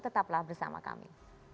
tetaplah bersama kami